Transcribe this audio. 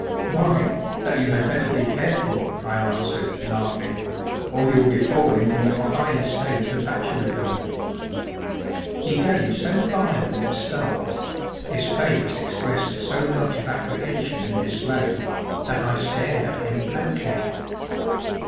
"Why, that you had better be careful," I answered, laughing; "or you'll be falling from your high estate of bachelordom." He gave so violent a start, his face expressed so much of apprehension and dismay, that I stared at him blankly.